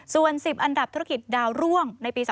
ส่วน๑๐อันดับธุรกิจดาวร่วงในปี๒๕๖